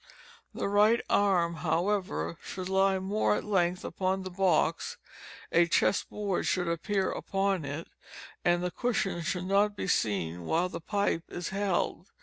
The right arm, however, should lie more at length upon the box, a chess board should appear upon it, and the cushion should not be seen while the pipe is held.